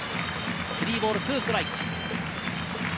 ３ボール２ストライク。